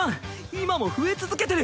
今も増え続けてる。